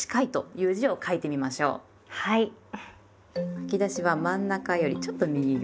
書き出しは真ん中よりちょっと右側。